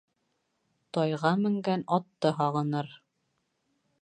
Тайға менгән атты һағыныр.